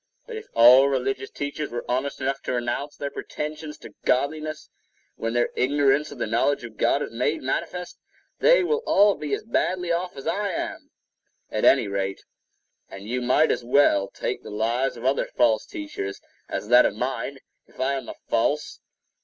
But if all religious teachers were honest enough to renounce their pretensions to godliness when their ignorance of the knowledge of God is made manifest, they will all be as badly off as I am, at any rate; and you might as well take the lives of other false teachers as that of mine, if I am false.